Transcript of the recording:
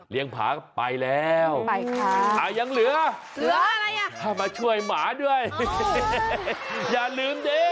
เลี้ยงผาไปแล้วไปค่ะอย่างเหลือมาช่วยหมาด้วยอย่าลืมดิ